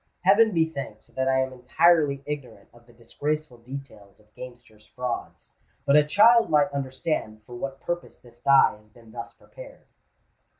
Heaven be thanked that I am entirely ignorant of the disgraceful details of gamesters' frauds; but a child might understand for what purpose this die has been thus prepared."